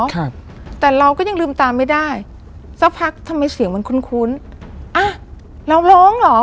ครับแต่เราก็ยังลืมตาไม่ได้สักพักทำไมเสียงมันคุ้นคุ้นอ่ะเราร้องเหรอ